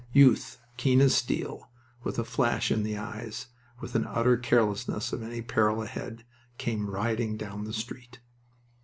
Youth, keen as steel, with a flash in the eyes, with an utter carelessness of any peril ahead, came riding down the street.